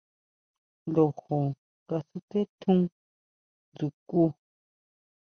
Lojo kasuté tjún ʼndsukʼu.